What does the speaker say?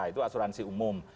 itu asuransi umum